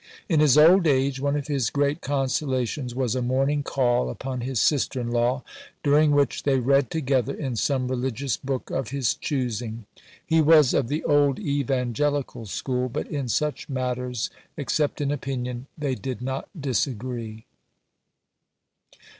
In his old age one of his great consolations was a morning call upon his sister in law, during which they read together in some religious book of his choosing. He was of the old evangelical school, but in such matters except in opinion they did not disagree.